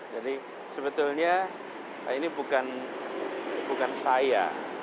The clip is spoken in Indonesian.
jadi sebetulnya pak ini bukan saya